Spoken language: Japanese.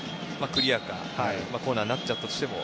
クリアかコーナーになったとしても。